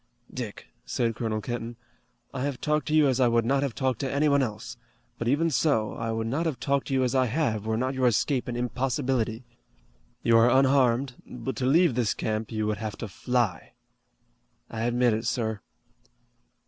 "Dick," said Colonel Kenton, "I have talked to you as I would not have talked to anyone else, but even so, I would not have talked to you as I have, were not your escape an impossibility. You are unharmed, but to leave this camp you would have to fly." "I admit it, sir."